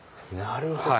なるほど。